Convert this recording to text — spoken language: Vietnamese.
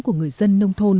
của người dân